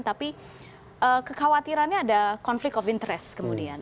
tapi kekhawatirannya ada konflik of interest kemudian